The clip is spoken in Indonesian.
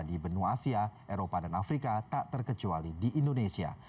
di benua asia eropa dan afrika tak terkecuali di indonesia